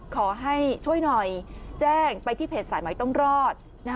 ขอให้ช่วยหน่อยแจ้งไปที่เพจสายใหม่ต้องรอด